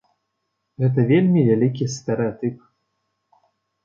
Гэта вельмі вялікі стэрэатып.